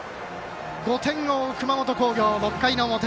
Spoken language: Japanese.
５点を追う、熊本工業６回の表。